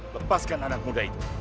lepaskan anak muda itu